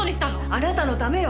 あなたのためよ。